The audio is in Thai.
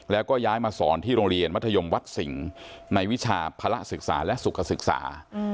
แล้วก็ย้ายมาสอนที่โรงเรียนมัธยมวัดสิงห์ในวิชาภาระศึกษาและสุขศึกษา